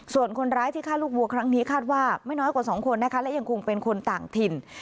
ส่วนคนร้ายที่ฆ่าลูกวัวครั้งนี้คาดว่าไม่น้อยกว่า๒คนนะคะและยังคงเป็นคนต่างถิ่น